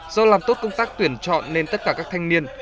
do làm tốt công tác tuyển chọn nên tất cả các thanh niên